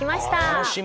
楽しみ。